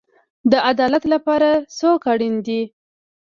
د عدالت لپاره څوک اړین دی؟